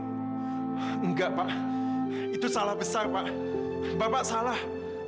enggak pak itu salah besar pak bapak salah